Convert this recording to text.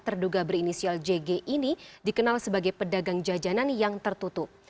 terduga berinisial jg ini dikenal sebagai pedagang jajanan yang tertutup